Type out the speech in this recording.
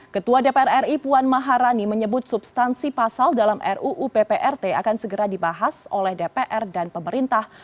ketua dpr ri puan maharani menyebut substansi pasal dalam ruu pprt akan segera dibahas oleh dpr dan pemerintah